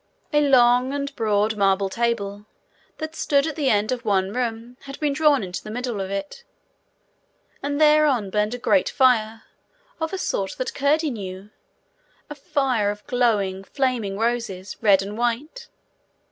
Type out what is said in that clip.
A long and broad marble table, that stood at one end of the room, had been drawn into the middle of it, and thereon burned a great fire, of a sort that Curdie knew a fire of glowing, flaming roses, red and white.